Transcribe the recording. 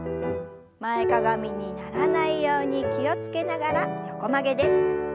前かがみにならないように気を付けながら横曲げです。